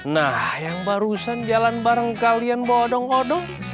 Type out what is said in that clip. nah yang barusan jalan bareng kalian bodong odong